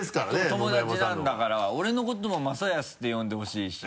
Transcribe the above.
友達なんだから俺のことも正恭って呼んでほしいし。